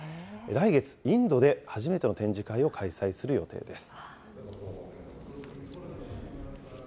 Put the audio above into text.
来月、インドで初めての展示会を開催する予定です。